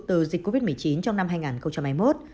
từ dịch covid một mươi chín trong năm hai nghìn hai mươi một